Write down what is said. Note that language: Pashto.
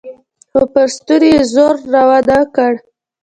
خو پر ستوني يې زور راونه کړ.